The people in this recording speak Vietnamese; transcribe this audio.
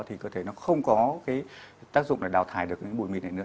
thì cơ thể nó không có cái tác dụng để đào thải được cái bụi mịn này nữa